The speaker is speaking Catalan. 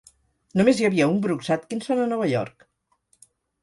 Només hi havia un Brooks Atkinson a Nova York.